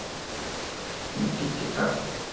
Iquique, Av.